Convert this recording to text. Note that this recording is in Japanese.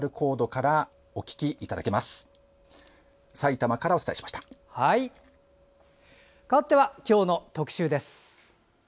かわっては今日の特集です。